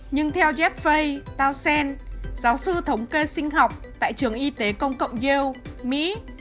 nhưng theo jeff fay towson giáo sư thống kê sinh học tại trường y tế công cộng yale mỹ